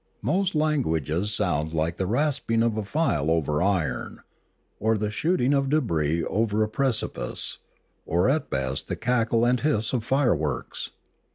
Most languages sound like the rasping of a file over iron/ or the shoot ing of debris over a precipice, or at best the crackle and hiss of fireworks.